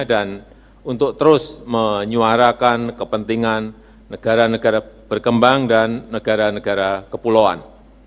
dan untuk terus menyuarakan kepentingan negara negara berkembang dan negara negara kepulauan